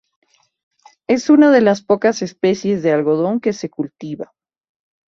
Es una de las pocas especies de algodón que se cultiva.